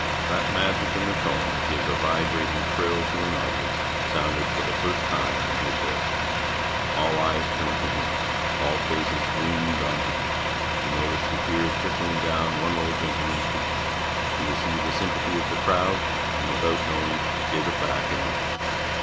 That magic in the tone that gives a vibrating thrill to an audience sounded for the first time in his voice. All eyes turned to him; all faces gleamed on him; he noticed the tears trickling down one old gentleman's cheeks; he received the sympathy of the crowd, and without knowing gave it back in eloquence.